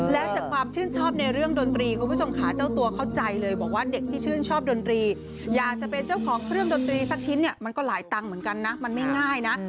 และจากความชื่นชอบในเรื่องดนตรีคุณผู้ชมค่ะเจ้าตัวเข้าใจเลยบอกว่าเด็กที่ชื่นชอบดนตรีอยากจะเป็นเจ้าของเครื่องดนตรีสักชิ้นเนี่ยมันก็หลายตังค์เหมือนกันนะมันไม่ง่ายนะ